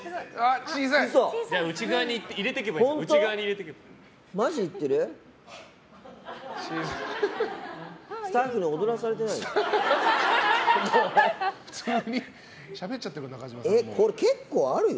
内側に入れていけばいいですよ。